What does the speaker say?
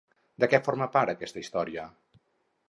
De què forma part aquesta història?